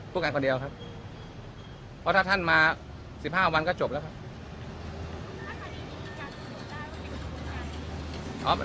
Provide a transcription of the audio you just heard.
พูดกันคนเดียวครับเพราะถ้าท่านมา๑๕วันก็จบแล้วครับ